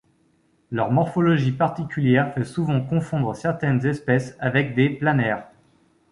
Leur morphologie particulière fait souvent confondre certaines espèces avec des planaires.